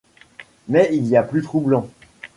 Mais il y a plus troublant.